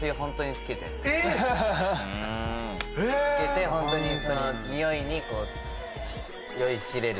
つけてホントに匂いに酔いしれるみたいな。